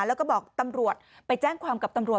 แล้วก็บอกตำรวจไปแจ้งความกับตำรวจ